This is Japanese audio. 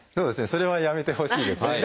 それはやめてほしいですね。